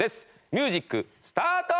ミュージックスタート！